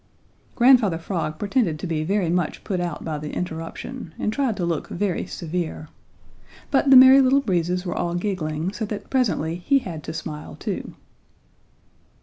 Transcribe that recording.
Grandfather Frog pretended to be very much put out by the interruption, and tried to look very severe. But the Merry Little Breezes were all giggling, so that presently he had to smile too.